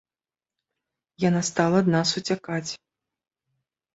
Яна стала ад нас уцякаць.